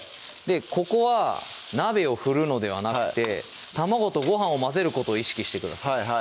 ここは鍋を振るのではなくて卵とご飯を混ぜることを意識してください